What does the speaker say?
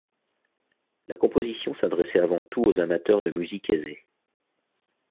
La composition s'adressait avant tout aux amateurs de musique aisés.